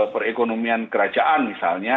perekonomian kerajaan misalnya